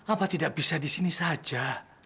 apa tidak bisa disini saja